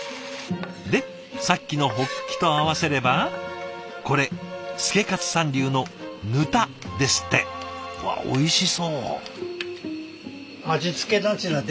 でさっきのホッキと合わせればこれ祐勝さん流のぬたですって。わっおいしそう。